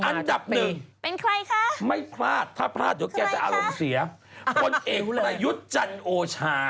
เป็นใครคะไม่พลาดถ้าพลาดเดี๋ยวแกจะอารมณ์เสียคนเอกประยุจรรย์โอชา